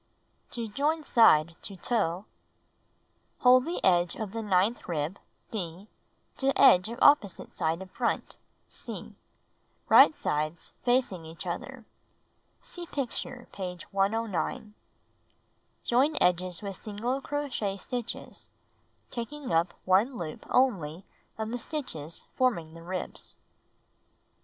To Join Side to Toe Hold the edge of the ninth rib (D) to edge of opposite side of front (C), right sides facing each other. (See picture page 109.) Join edges with single crochet stitches, taking up 1 loop only of the stitches forming the ribs.